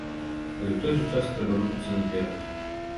Але ў той жа час трэба рухацца наперад.